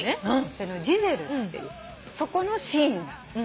そのジゼルっていうそこのシーンだったの。